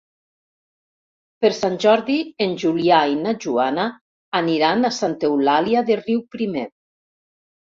Per Sant Jordi en Julià i na Joana aniran a Santa Eulàlia de Riuprimer.